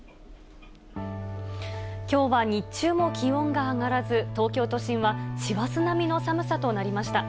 きょうは日中も気温が上がらず、東京都心は師走並みの寒さとなりました。